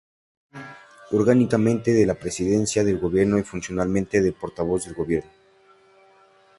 Orgánicamente de la Presidencia del Gobierno y funcionalmente del Portavoz del Gobierno.